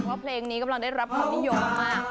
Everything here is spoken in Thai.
เพราะเพลงนี้กำลังได้รับความนิยมมาก